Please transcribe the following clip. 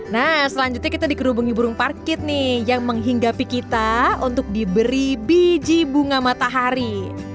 nah selanjutnya kita dikerubungi burung parkit nih yang menghinggapi kita untuk diberi biji bunga matahari